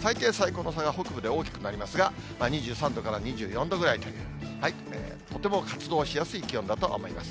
最低、最高の差が北部で大きくなりますが、２３度から２４度ぐらいという、とても活動しやすい気温だと思います。